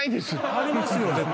「ありますよ」って。